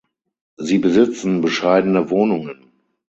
Sie besitzen bescheidene Wohnungen.